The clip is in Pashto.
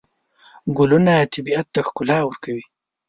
ګلونه طبیعت ښکلا کوي.